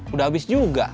udah abis juga